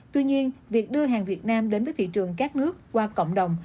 tuy nhiên việc đưa hàng việt nam đến với thị trường các nước qua cộng đồng